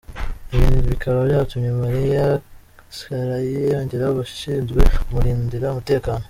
Ibi bikaba byatumye Mariah Carey yongera abashinzwe kumurindira umutekano.